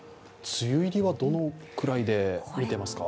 梅雨入りはどのくらいでみてますか？